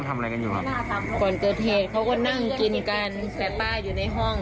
ไม่รู้